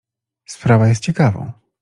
"Sprawa jest ciekawą."